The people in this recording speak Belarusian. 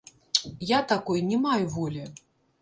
Я такой не маю волі.